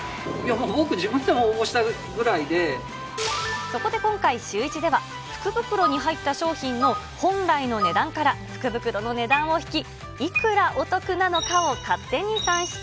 僕、自分でも応募したいぐらそこで今回、シューイチでは、福袋に入った商品の本来の値段から福袋の値段を引き、いくらお得なのかを勝手に算出。